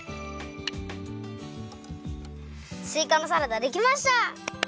すいかのサラダできました！